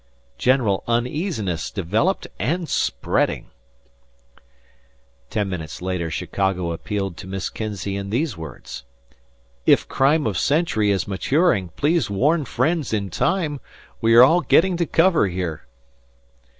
General uneasiness developed and spreading." Ten minutes later Chicago appealed to Miss Kinzey in these words: "If crime of century is maturing please warn friends in time. We are all getting to cover here."